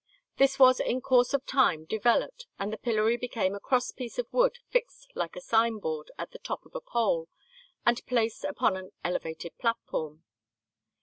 This was in course of time developed, and the pillory became a cross piece of wood fixed like a sign board at the top of a pole, and placed upon an elevated platform.